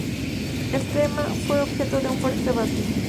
El tema fue objeto de un fuerte debate.